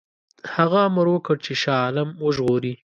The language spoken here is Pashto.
هغه امر وکړ چې شاه عالم وژغوري.